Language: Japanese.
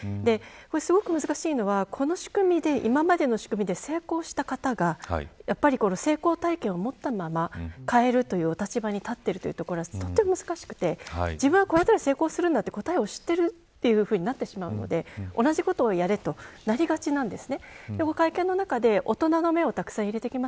すごく難しいのは、この仕組みで今までの仕組みで成功した方が成功体験を持ったまま変えるという立場に立っているところがすごく難しくて自分はこれで成功するんだという、答えを知っているということになってしまうので同じことやれたになりがちなんです。